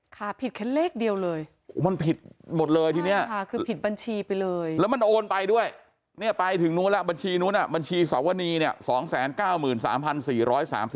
ค่ะผิดแค่เลขเดียวเลยมันผิดหมดเลยทีเนี่ยใช่ค่ะคือผิดบัญชีไปเลย